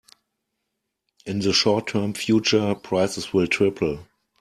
In the short term future, prices will triple.